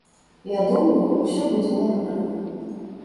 Я думаю, усё будзе нармальна.